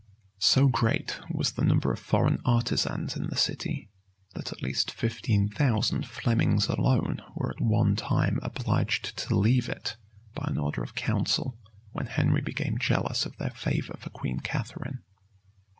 [*] So great was the number of foreign artisans in the city, that at least fifteen thousand Flemings alone were at one time obliged to leave it, by an order of council, when Henry became jealous of their favor for Queen Catharine.